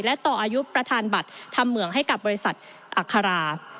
และต่ออายุประธานบัตรทำเหมืองให้กับบริษัทอัครา